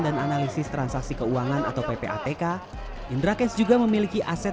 dan analisis transaksi keuangan atau ppatk indra kents juga memiliki aset